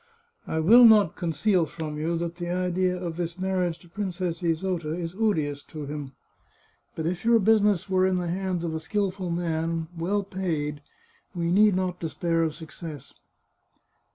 I will not conceal from you that the idea of this marriage with Princess Isota is odious to him. But if your business were in the hands of a skilful man, well paid, we need not despair of success."